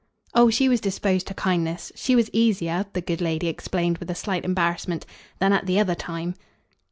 "Oh she was disposed to kindness. She was easier," the good lady explained with a slight embarrassment, "than at the other time."